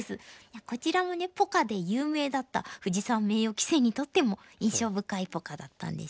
こちらもねポカで有名だった藤沢名誉棋聖にとっても印象深いポカだったんでしょうね。